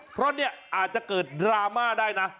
เพราะเนี่ยอาจจะเกิดดราม่าได้นะ